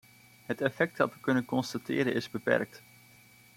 Het effect dat we kunnen constateren is beperkt.